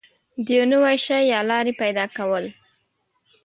د یو نوي شي یا لارې پیدا کول